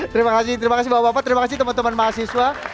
terima kasih terima kasih bapak bapak terima kasih teman teman mahasiswa